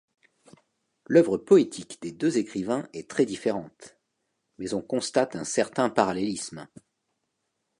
L'œuvre poétique des deux écrivains est très différente, mais on constate un certain parallélisme.